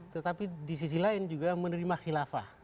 tetapi di sisi lain juga menerima khilafah